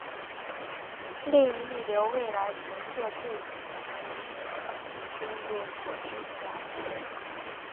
另预留未来增设对侧出入口之衔接口。